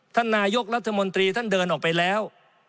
ท่านนายกรัฐมนตรีท่านเดินออกไปแล้ว